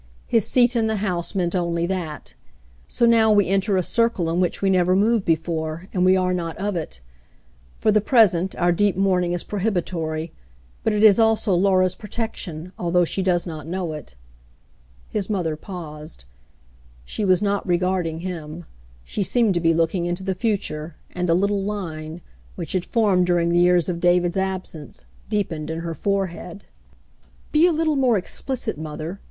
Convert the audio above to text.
His seat in the House meant onlv that. So now we enter a circle in which we never moved before, and we are not rf it. For the present, our deep mourning is prohibitory, but it is also Laura's protection, although she does not know it." His mother paused. She was not regarding him. She seemed to be looking into the future, and a little line, which had formed during the years of David's absence, deepened in her forehead. 232 The Mountain Girl "Be a little more explicit, mother.